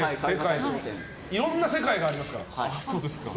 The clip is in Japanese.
いろんな世界がありますから。